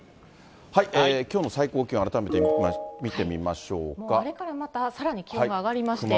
きょうの最高気温、あれからまたさらに気温が上熊本。